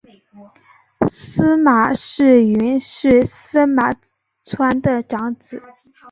司马世云是司马纂的长子。